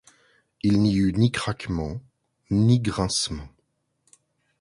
Il n’y eut ni craquement, ni grincement.